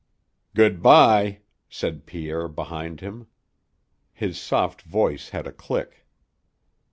"Good bye," said Pierre behind him. His soft voice had a click.